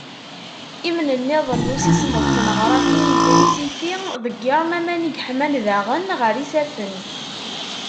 Imnenniḍen n ussismeḍ n tneɣrafin n trisiti, ḍeggiren aman i yeḥman daɣen ɣer yisaffen.